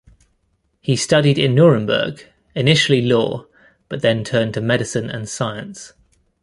He studied in Nuremberg, initially law, but then turned to medicine and science.